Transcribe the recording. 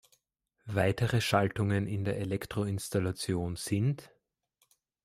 Weitere Schaltungen in der Elektroinstallation sind